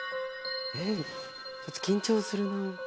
えっちょっと緊張するなあ。